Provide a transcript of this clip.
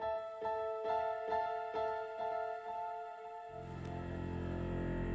nih ini udah gampang